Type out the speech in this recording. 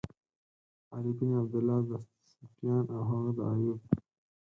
علی بن عبدالله، د سُفیان او هغه د ایوب.